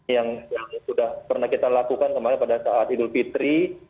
yang sudah pernah kita lakukan kemarin pada saat idul fitri